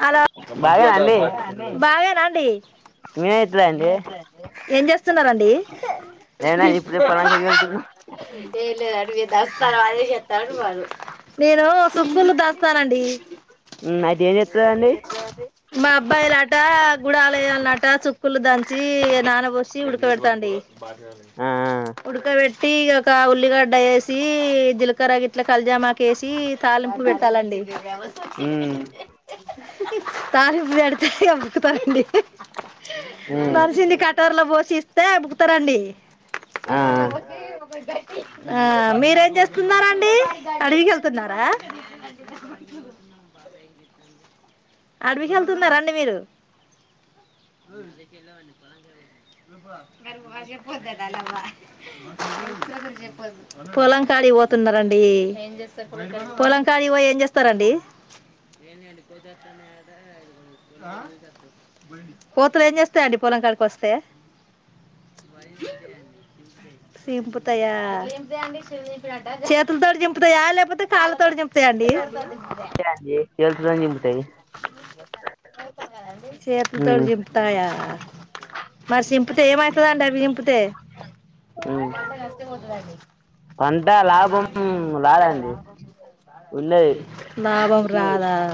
Hello బాగానే అండి బాగేనా అండి మీరే చెప్తారా అండి ఏం చేస్తున్నారండి నేనా ఇప్పుడే పొలానికి వెళ్తున్నా ఏం లేదండి మేము దస్తరా అవి అన్ని చేస్తున్నాం నేను సుగ్గులు దాస్తానండి ఉమ్ అయితే ఏం చెప్తారండి మా అబ్బాయిలట గుడి ఆలయాలట చుక్కులు దంచి నాన పోసి ఉడకబేడతాండి ఆ ఉడక పెట్ ట్టీ ఒక ఉల్లిగడ్డ వేసి జీలకర్ర గిట్ల కలిజామా కేేసి తాలింపు పెట్టాలండి ఉమ్ తాలింపు పెడితే ఇగ అయిపోతండి ఉమ్ నలిసింది కటోర్లో పోసి ఇస్తే ఉబుకుతారండి ఆ ఆ మీరేం చేస్తున్నారండి అడవికీ వెళ్తున్నారా ఆ అడవికి వెళ్తున్నారండి మీరు పొలం కాడి కి పోతున్నారండి పొలంకాడి పోయి ఏం చేస్తారండి [unintelligible] కోతులు ఏం చేస్తాయి అండి పొలం కాడికి వస్తే మా ఇంట్లేకి సింపుతాయా చేతులతోటి చింపుతాయా లేకపోతే కాళ్ళతోటి చిం తాయండి అంతే అండి చేతుతోని దింపుతాయి ఉమ్ చేతులతోటి చిింపుతాయా మరి చింపితే ఏమైతదండి అవి చిింపితే ఉమ్ మంట కాస్తే పోతది అండి పంట లాభం రాదండి ఉండది లాభం రా ఆ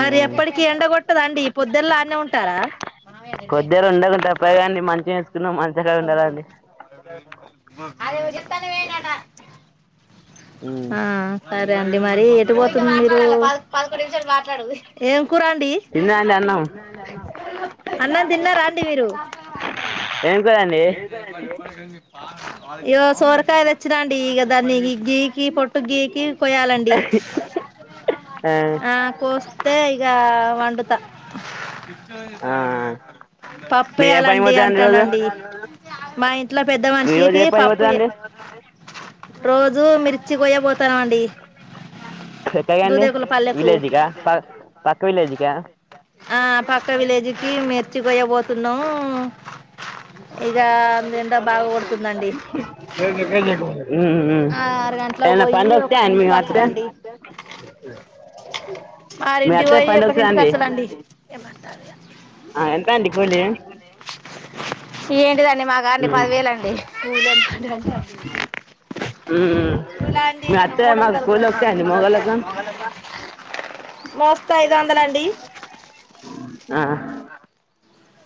మరి ఎప్పటికి ఎండ కొట్టదండి ఈ పొద్దల్లా అన్నే ఉంటారా పొద్దులు ఉండకుం తప్పగాండి మంచి వేసుకున్నాం మంచిగా ఉండాలండి అది నువ్వు చెప్తనే పోయిండంట ఉమ్ ఆ సరే అండి మరి ఎటు పోతుంది మీరు పదకొడు నిమిషాలు మాట్లాడు ఏం కూరండి తిన్నరా అండి అన్నం అన్న తిన్నారా అండి మీరు ఏంది [unintelligible] ఇయ్యో సోరకాయ తెచ్చిన అండి ఈగ దాన్ని గీకి పొట్టు గీకి కోయాలండి ఆ కోస్తే ఇగా వండుతా ఆ మీరు ఏ పనికి పప్పేయాలండి పోతారండి రోజు అంటానండి మా ఇంట్లో పెద్ద మీరు రోజు మనిషికి ఏ పనికి పప్పు పోతారండి రోజు మీరు వచ్చి కోయ పోతారా అండి పెద్దగా అండి విలేజిక ప పక్క విలేజిక ఆ పక్క విలేజ్కి మెర్చికోయోకి పోతున్నాం ఊ ఆ ఆరు గంటలకు ఎనా పోయి పండవ త మీ ఒకటింటికి మధ్య వారింటి పోయి ఒకటింటికి అండి వచ్చలండి ఏమంట ఆ ఎంతండి కూలి ఏంటి తండి మాగాండి మ్మ్ పదివేలు అండి మ్మ్ మీ వత్తే మాకు కూలి [unintelligible] దొరుకుతాయా అండి మగోళ్ళకు మోస్తే ఐదు వందలు అండి ఆ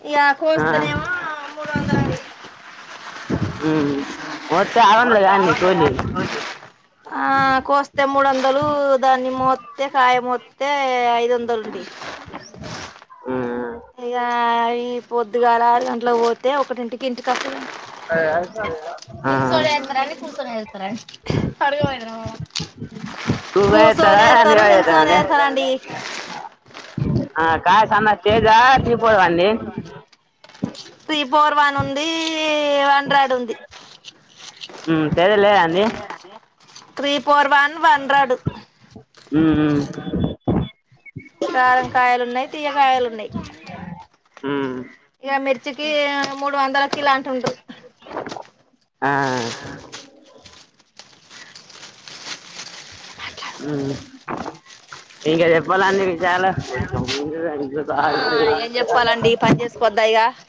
ఇక ఆ కోస్తనేమో మూడు వందలండి ఉ మొత్తే ఆరు వందలు కాండి కూలీ ఆ కోస్తే మూడు వందలు దాన్ని మొత్తే కాయ మొత్తే ఐదు వందలండి మ్మ్ ఇగా అవి పొద్దుగాల ఆరు గంట్లకు పోతే ఒకటింటికి ఇంటికిసలు ఆ నిల్చోని చేత్తారా అండి కూర్చొని చేత్తారా అర్గ మవ కుకోని చేత్తర ఏరుతారు నిలబడి చేత్తర నిల్చొని అండి ఏరుతారండి ఆ కాయ సన్న స్టేజా తీపోడవండి త్రీ ఫోర్ వన్ ఉంది హండ్రడ్ ఉంది ఉ సరేలే అన్నీ three four one one dread మ్మ్ మ్మ్ కారం కాయలు ఉన్నాయి తియ్యకాయలు ఉన్నాయి ఉ ఇక మిర్చికి మూడు వందలకి ఇలాంటివి ఉండు ఆ ఉ ఇంకా చెప్పాలండి చాలా ఆ ఏం [unintelligible]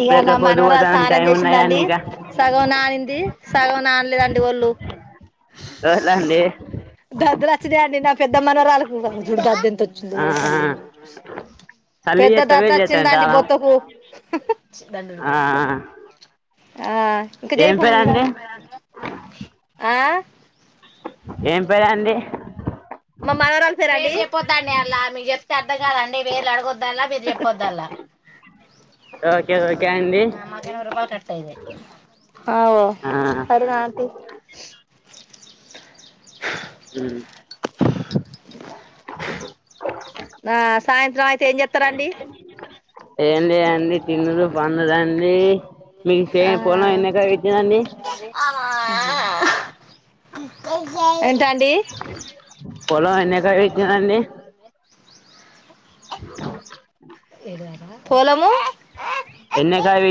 ఇగా ఎక్కడ నా పొద్దు మనమరాలు పోతానని తానం టైం ఉన్నాయి కానీ జేసిందండి ఇంకా సగం నానింది. సగం నానలేదండి. ఒళ్ళు చూడలేండి దాద్దుల చూదే అండి. నా పెద్ద మనవరాలకు ఆగ జూడు దాద్దేతోచిందో ఆ ఆ తల్లి చలి పెద్ద చేత్తా దద్ద వేడి చేత్తాంది వచ్చిందండి. చాలా బొతకు ఆ ఆఆ ఇంకా ఏం జేయపో మమీ పేరండి దానమ్ ఆ ఏం పేరండి. మా మనవరాలు పేరా అండి. ఒహ్ ఆ మాకు ఇరవై రూపాయిలు కట్టయేది. ఆవ్ ఆ పద్దు నా ఆంటీ హుహ్ నా ఆ సాయంత్రం అయితే ఏం చెతారండి. ఏ లేదండి. తినుడు పండుడు అండి. ఆ ఏంటండీ. పొలం ఎనేక్ పొలం ఎన్ ఎక్కరాలు వచ్చిందడి. పొలము ఎన్ ఎక్కరల్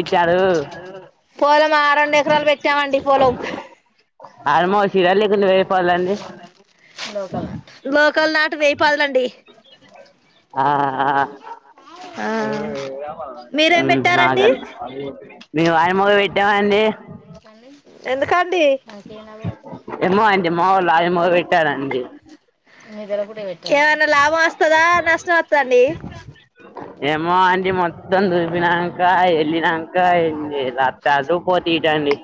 పోలమా రొండ్ ఎకరాలు పెట్టామండి. పోలం ఆరు మోషీరా లేకుంటే వేర్ పోలండి. లోకల్ నాటు వేయి పదులండి. ఆఆ ఆ ఆ మీరేం హు పెట్టారండి నాగల్ మేము ఆయమగ పెట్టామండి ఎందుకండి. ఏమో అండి. మావోలు ఆ యమక్ పెట్టారండి. ఎవన్నా లాభం వస్తదా, నష్టం వస్తా అండి. మా ఆంటీ మొత్తం దూలిపినాక ఏ నిదాకా ఏం జేయలు అతాలు పోతిటండి.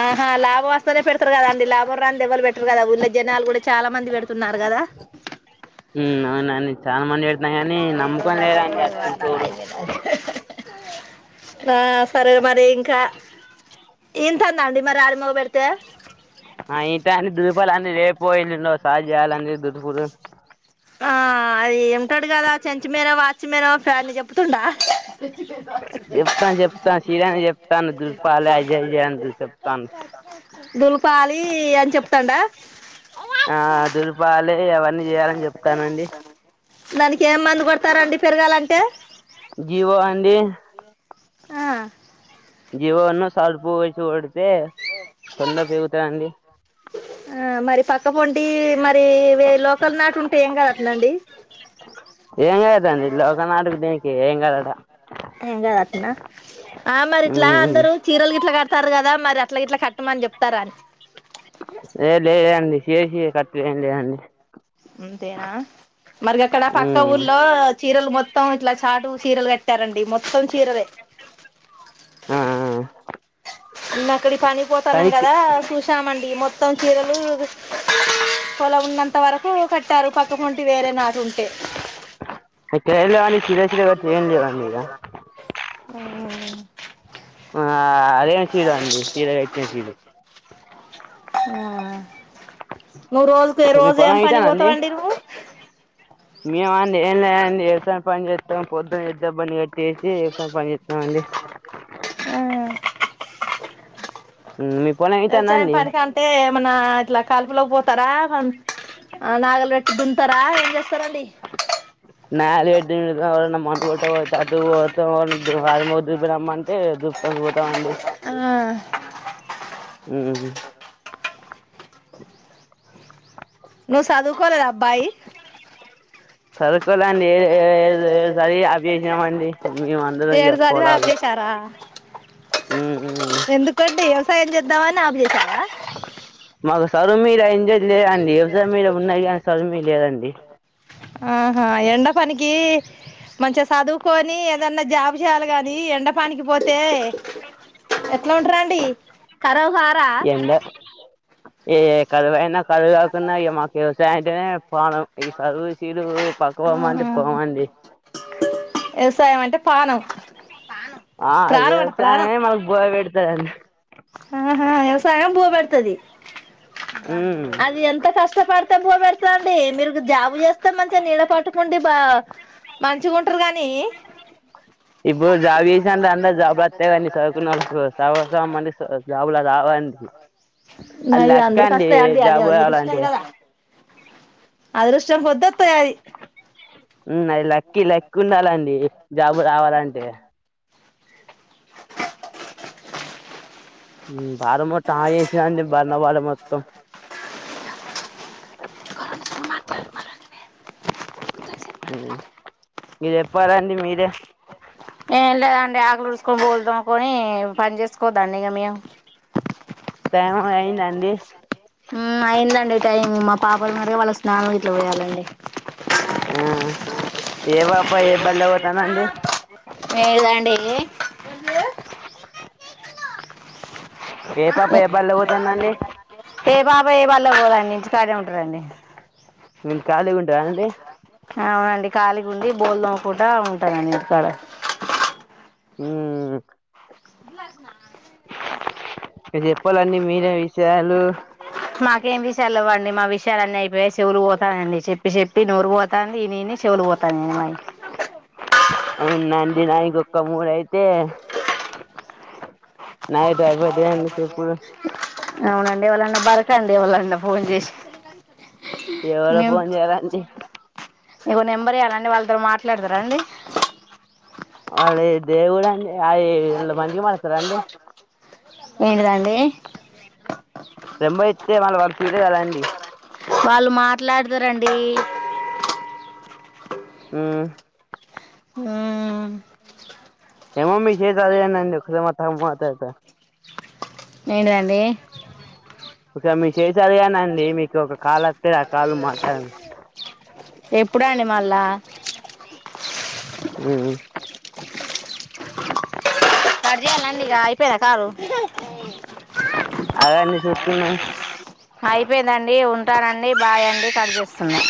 ఆహా లాబ్ వస్ సనే పెడతారు కదా అండి. లాభం రాని ఎవల్ పెట్టారు కదా, ఊళ్య జనాలు కూడా చాలా మంది పెడుతున్నారు కదా. ఉహు అవునుని చానా మందేడ్ అరే రోజ్ అట్ట వోయి అయిదువేల్ అయ్ నా సరే మరి ఇంకా ఇంతుదండి మరి అడ్ మోగపెడితే ఆ ఇంతాంది. దూల్పలని రేపో ఎల్లుండో సెలజేయాలన్ దూల్పూరు. ఆ అది ఏమింటాడు కదా చెంచిమేనో వాచిమేనో ఫ్యాన్ చెప్తుడా జేప్తాను జేప్తాను చీరను జేప్తాను దుపాల అయ్యాయే అన్ చేప్తాను దూల్ప్ ఆ దూల్పాలే అవన్నీ జేయాలన్ జేప్ తనండి దానికి ఎమ్ మందు కొడతారండి పెరగాలంటే జివో అండి ఆ జీవ ఓనా సార్పుూ వొచ్చి వోడి తోడ పోగుతాయండి. ఆ మరి పక్క పొండి మరి వే లోకల్ నాటి ఉంటే ఏం కాద్ గట్లాండి. ఏం కాదండి లోకనాటకు దీనికి ఏం కాదట ఎంగత్ అట్ఠనా ఆ మరి ఇట్లా మ్మ్. అందరు చీరలు గిట్లా కడతారు కదా మరి అట్లా ఇట్లా కట్టమని జేప్తారా అన్ ఏ లేదండి చేసి కట్టేయం లేదండి అంతేనా మరిగ అక్కడ పక్క మ్మ్. ఊర్లో చీరలు మొత్తం ఇట్లా చాటు చీరలు కట్టారండి మొత్తం చీరలే ఆ ఇంగా అక్కడి పనిపోతాన్నాం కానీ ఇక్- కదా చూసామండి మొత్తం చీరలు పొలం ఉన్నంత వరకు కట్టారు పక్క వంటి వేరే నాటి ఉంటే ఇక్కడ ఏం లేవండి చీర చీర కట్టి ఏం లేవండి ఇక ఆ ఆ అదేం చీరలు అండి ఇడా కట్టినా [inaudible] ఆ నువ్వు రోజుకు ఏ మీ రోజు ఏం పొలం పని పోతావండి నువ్వు మేమా అండి ఏం లేదండి [unintelligible] పని చేస్తాం పొద్దునా అయితే బండి [inaudible] చేసి సంపాదిస్తామండి వ్యవచాయం అవుతానండి పనికి అంటే ఏమన్నా ఇట్లా కల్పుిలకి పోతారా ఆ నాగలి దుంటారా ఏం చేస్తారంండి నాలు పెట్టి ఎవరన్నా మందు కొట్టాపోతే అటు అటూ అ వారంమో దులిపి రామంటే దుల్పుతందూ పోతమండి ఆ ఉమ్ నువ్ సాధుకోలేదా అబ్బాయి సరుకోలే అండి ఏ ఏడ్ ఏడు చదవి అప్ జేసినమండి మేము అందరం ఇగ పొలాలు ఆహ్ ఉమ్ వ్యవసాయం చేద్దాం అని అప్ చేసావా మాకు సదువు మీద ఎంజ్లేదండి వ్యవసాయం మీద ఉన్నాది కానీ సదువు మీద లేదండి ఆహా ఎండ పనికి మంచిగా సదువుకొని ఏదన్నా జాబు చేయాలి గాని ఎండపానికి పోతే ఎట్లా ఉంటరా అండి కరా ఎండా ఈ కదువైనా కదువు కాకున్నా ఈగా మాకు వ్యవసాయం అంటేనే ప్రాణం ఈ సదువు శిదువు పక్క పోమండి ఆహా పోమండి వ్యవసాయం అంటే పాణం ప్రాణం అంట ప్రాణం దా ఆహా వ్యవసాయం బూ పెడతాది అది ఎంత కష్టపడితే భోపెడతుండి మీరు జాబు చేస్తే మంచిగా నీడ పట్టుకుంటే ది బా మంచిగా ఉంటారు గానీ ఇప్పుడు జాబ్ చేసే అందరికీ జాబులు ఒత్తయిగని సదుకున్నోళ్లకు సగ సగం పండిస్ జాబులా రావండి అది మరి లెక్క అందరికి అండి జాబు కావాలంటే అదరష్టం కొద్ది వత్తయి ఆ [unintelligible] ఉమ్ అది లక్కి లెక్ ఉండాలండి జాబు రావాలంటే బో టాయే [inaudible] ఉమ్ మీర్ చెప్పాలండి మీరే కో బోలుదోంకొని పని చేసుకోద్దాండి ఇగ మేం టైం అయిందండి ఉమ్ అయిందండి టైం మా పాపలున్నార [unintelligible] వాళ్ళ స్నానం గీట్లా పోయాలండి ఆ ఏ పాప ఏ బడిలో పోతానండి లేదండి ఏ పాప ఏ బడిలో పోతానండి ఏ పాప ఏ బడ్లకి పొదండి ఇంటి కాడే ఉంటది అండి నిన్ ఖాళీగా ఉంటానా అండి కాలిగుండి బోల్డోముకుంట ఉంటనండి ఇంటికాడ ఉమ్ [unintelligible] అనీ మాకేం తీస్ తెలవండి మా విషయాలన్నీ అయిపోయాయి చెవులు పోతానాయ్ అండి చెప్పి చెప్పి నోరు పోతాంది ఇని ఇని చెవులు పోతాన్నాయ్ అవ్ అవునండి నాయి ఇంకొక్క మూడైతే నాది ఇపుడు అయిపోతయ్ ఎంతసేపు అవునండి ఎవళన్నా బరకండి ఎవలన్నా ఫోన్ చేసి ఎవరో మేమ్ ఫోన్ చేయాలండి ఇగో నెంబర్ ఇయ్యాలండి వాళ్ళతోని మాట్లాడతరా అండి వాళ్ళది ఏ ఊరండి ఆయీ వాళ్ళు మంచిగ మట్లడతరా అండి ఏంటిదండి నెంబర్ ఇస్తే మళ్ళీ వాళ్ళు ఫీల్ కారా అండి వాళ్ళు మాట్లాడతారండి హ్మ్ హ్మ్ ఏమో మీకే తెలియాలి అండి [unintelligible] మాట్లడతారో ఏంటిదండి ఒకవేళ మీషేషి తదిగానండి మీకు ఒక కాల్ వత్తది ఆ కాల్ మాట్లాడండి ఎప్పుడండి మళ్ళా మ్ మ్ కట్ చేయాల్నాండి ఇగ అయిపోయిందా కాలు అదండి చూస్తున్నా అయిపోయిందండి ఉంటానండి బాయ్ అండి కట్ చేేస్తున్నా